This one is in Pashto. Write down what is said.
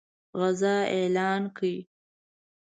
غزا اعلان کړي.